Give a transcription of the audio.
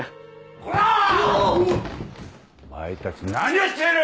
お前たち何をしている！